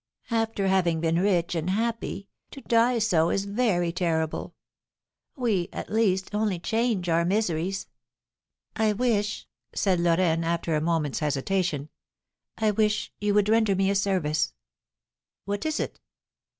After having been rich and happy, to die so is very terrible! We, at least, only change our miseries!" "I wish," said Lorraine, after a moment's hesitation, "I wish you would render me a service!" "What is it?"